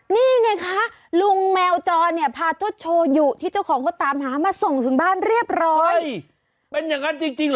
นี่ไงคะลุงแมวจอเนี่ยพาทุดโชยุที่เจ้าของเขาตามหามาส่งถึงบ้านเรียบร้อยเป็นอย่างนั้นจริงจริงเหรอ